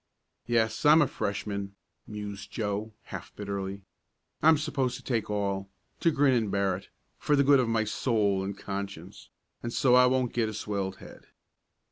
"Yes, I'm a Freshman," mused Joe, half bitterly. "I'm supposed to take it all to grin and bear it for the good of my soul and conscience, and so that I won't get a swelled head.